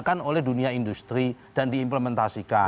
bisa digunakan oleh dunia industri dan diimplementasikan